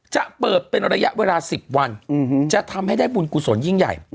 จะเปิดเป็นระยะเวลา๑๐วันจะทำให้ได้บุญกุศลยิ่งใหญ่